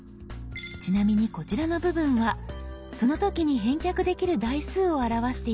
ちなみにこちらの部分はその時に返却できる台数を表しています。